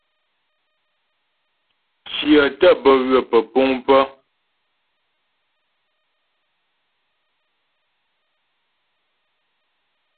Kyə̀ tə́ bə ywə pə́puŋ pə̀.